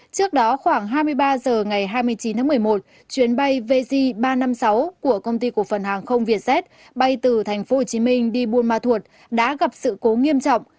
trước đó khoảng hai mươi ba h ngày hai mươi chín một mươi một chuyến bay vz ba trăm năm mươi sáu của công ty cục hàng không việt z bay từ tp hcm đi buôn ma thuột đã gặp sự cố nghiêm trọng